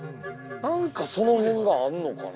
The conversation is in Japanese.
なんかその辺があんのかな？